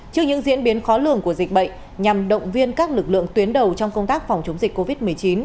trước những diễn biến khó lường của dịch bệnh nhằm động viên các lực lượng tuyến đầu trong công tác phòng chống dịch covid một mươi chín